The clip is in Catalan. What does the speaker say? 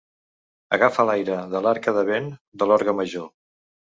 Agafa l'aire de l'arca de vent de l'Orgue Major.